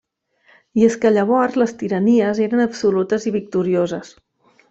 I és que llavors les tiranies eren absolutes i victorioses.